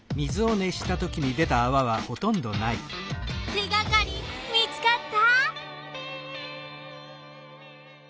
手がかり見つかった？